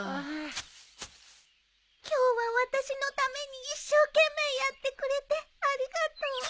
今日は私のために一生懸命やってくれてありがとう。